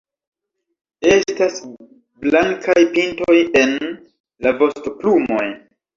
Estas blankaj pintoj en la vostoplumoj.